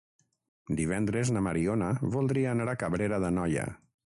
Divendres na Mariona voldria anar a Cabrera d'Anoia.